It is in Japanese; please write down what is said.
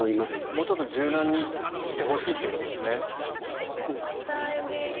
もうちょっと柔軟にしてほしいということですね。